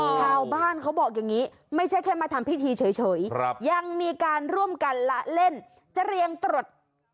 เขาบอกอย่างนี้ไม่ใช่แค่มาทำพิธีเฉยยังมีการร่วมกันละเล่นจะเรียงตรวจ